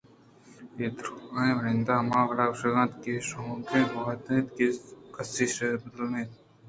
اے دُرٛاہیں وہد ہما وڑ ءَ گوٛست کہ اے شیکوکیں گوٛات اَنت کہ کس ایشی ءِ بدیں نیتءَ زانت نہ کنت